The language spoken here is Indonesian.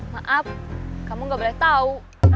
maap kamu gak boleh tau